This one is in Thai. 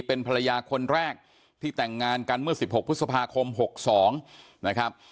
เป็นภรรยาคนแรกที่แต่งงานกันเมื่อ๑๖พฤษภาคม๖๒นะครับ